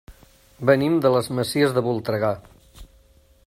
Venim de les Masies de Voltregà.